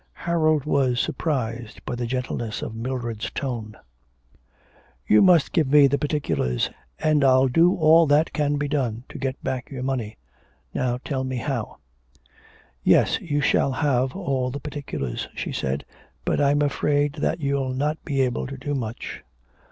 Harold was surprised by the gentleness of Mildred's tone. 'You must give me the particulars, and I'll do all that can be done to get back your money. Now tell me how ' 'Yes, you shall have all the particulars,' she said, 'but I'm afraid that you'll not be able to do much.'